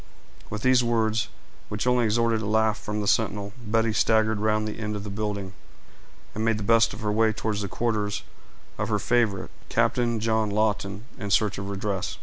With these words, which only extorted a laugh from the sentinel, Betty staggered round the end of the building, and made the best of her way towards the quarters of her favorite, Captain John Lawton, in search of redress.